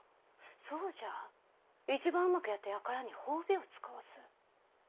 そうじゃ一番うまくやった輩には褒美を遣わす。